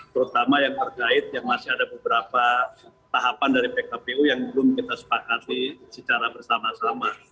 terutama yang terkait yang masih ada beberapa tahapan dari pkpu yang belum kita sepakati secara bersama sama